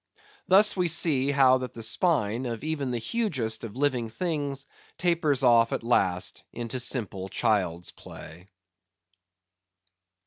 Thus we see how that the spine of even the hugest of living things tapers off at last into simple child's play.